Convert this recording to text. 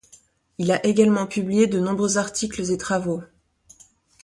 Il a également publié de nombreux articles et travaux.